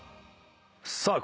さあ